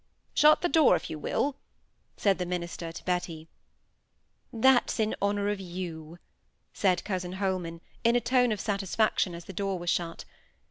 "Shut the door, if you will," said the minister to Betty. "That's in honour of you," said cousin Holman, in a tone of satisfaction, as the door was shut.